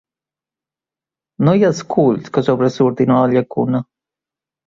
No hi ha esculls que sobresurtin a la llacuna.